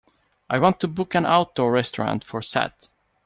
I want to book an outdoor restaurant for Sat.